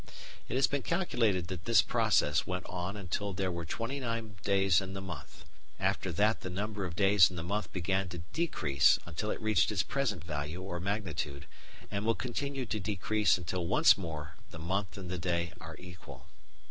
It has been calculated that this process went on until there were twenty nine days in the month. After that the number of days in the month began to decrease until it reached its present value or magnitude, and will continue to decrease until once more the month and the day are equal.